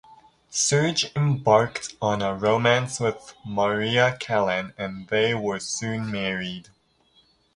Serge embarked on a romance with Maria Callan and they were soon married.